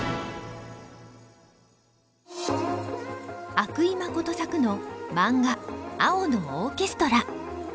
阿久井真作のマンガ「青のオーケストラ」。